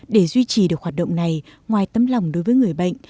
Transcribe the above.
để duy trì được hoạt động này ngoài tấm lòng đối với người bệnh